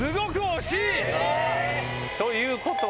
ということは？